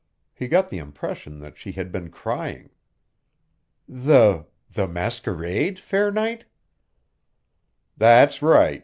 He got the impression that she had been crying. "The ... the masquerade, fair knight?" "That's right ...